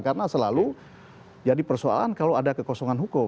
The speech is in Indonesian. karena selalu jadi persoalan kalau ada kekosongan hukum